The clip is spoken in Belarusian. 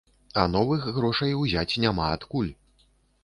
А новых грошай узяць няма адкуль.